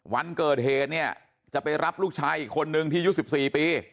วันเกิดเหตุเนี่ยจะไปรับลูกชายอีกคนนึงที่ยุค๑๔ปี